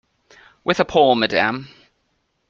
With a pole, madam.